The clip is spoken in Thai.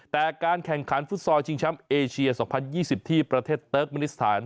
แต่การแข่งขันฟุตซอลชิงแชมป์เอเชีย๒๐๒๐ที่ประเทศเติร์กมินิสถาน